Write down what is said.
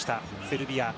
セルビア。